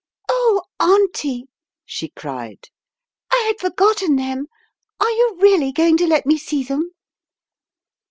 "Oh, Auntie!" she cried. "I had forgotten them, are you really going to let me see them?"